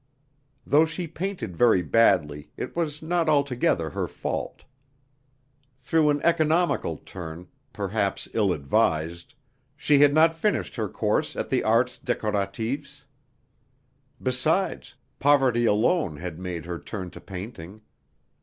Though she painted very badly, it was not altogether her fault. Through an economical turn, perhaps ill advised, she had not finished her course at the Arts Décoratifs. Besides, poverty alone had made her turn to painting.